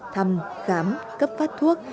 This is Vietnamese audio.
thăm khám cấp phát thuốc